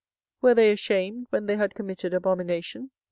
24:008:012 Were they ashamed when they had committed abomination?